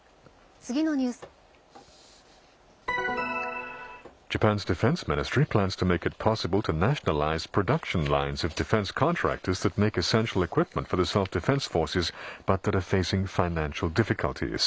次のニュースです。